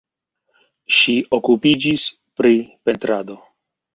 Ŝi okupiĝis pri pentrado.